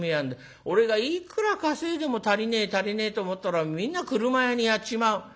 俺がいくら稼いでも足りねえ足りねえと思ったらみんな俥屋にやっちまう」。